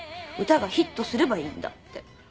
「歌がヒットすればいいんだ」って。